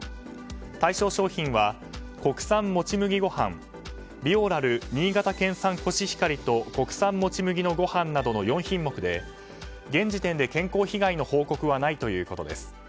対象商品は国産もち麦ごはんビオラル新潟県産コシヒカリと国産もち麦のごはんなどの４品目で現時点で健康被害の報告はないということです。